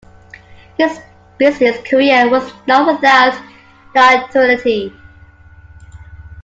His business career was not without notoriety.